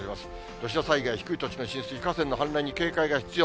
土砂災害、低い土地の浸水、河川の氾濫に警戒が必要。